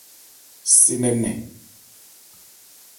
Se nkɛ nnɛn.